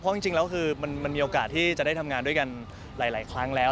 เพราะจริงแล้วคือมันมีโอกาสที่จะได้ทำงานด้วยกันหลายครั้งแล้ว